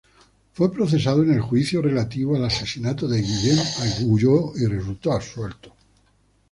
Fue procesado en el juicio relativo al asesinato de Guillem Agulló, y resultó absuelto.